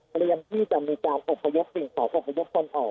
เตรียมที่จะมีการอพยกสิ่งของพระองค์โฟนออก